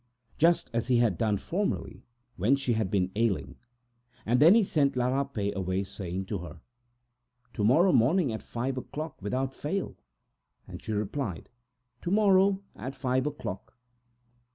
just as he had done formerly, when she had been sick. Then he sent La Rapet away, saying to her: "To morrow morning at five o'clock, without fail." And she replied: "To morrow at five o'clock."